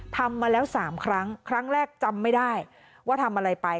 ทำมาแล้ว๓ครั้งครั้งแรกจำไม่ได้ว่าทำอะไรไป